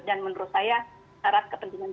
dan menurut saya syarat kepentingan